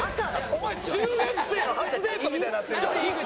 お前中学生の初デートみたいになってるから。